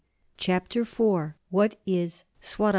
CHAPTER IV WHAT IS SWARAJ?